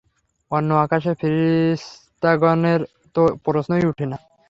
অন্য আকাশের ফিরিশতাগণের তো প্রশ্নই উঠে না।